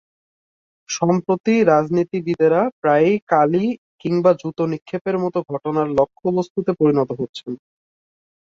সম্প্রতি রাজনীতিবিদেরা প্রায়ই কালি কিংবা জুতা নিক্ষেপের মতো ঘটনার লক্ষ্যবস্তুতে পরিণত হচ্ছেন।